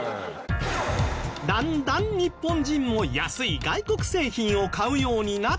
だんだん日本人も安い外国製品を買うようになってきて